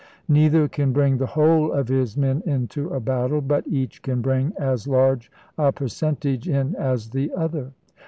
Neither can bring the whole of his men into a battle ; but each can bring as large a percentage in as the other.